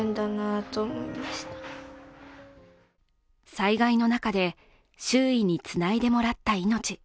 災害の中で、周囲に繋いでもらった命。